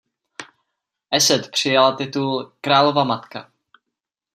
Eset přijala titul "Králova matka".